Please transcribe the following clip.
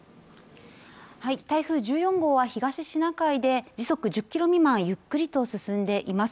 台風１４号は東シナ海で時速１０キロ未満ゆっくりと進んでいます